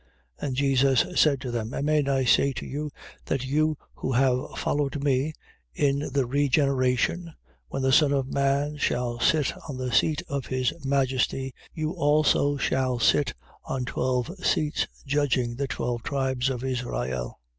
19:28. And Jesus said to them: Amen I say to you, that you who have followed me, in the regeneration, when the Son of man shall sit on the seat of his majesty, you also shall sit on twelve seats judging the twelve tribes of Israel.